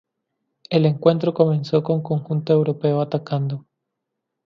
El encuentro comenzó con conjunto europeo atacando.